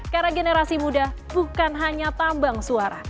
karena generasi muda bukan hanya tambang suara